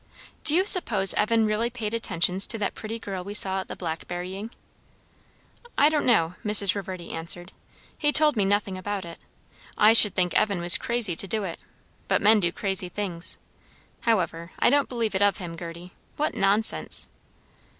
"Do you suppose Evan really paid attentions to that pretty girl we saw at the blackberrying?" "I don't know," Mrs. Reverdy answered. "He told me nothing about it. I should think Evan was crazy to do it; but men do crazy things. However, I don't believe it of him, Gerty. What nonsense!"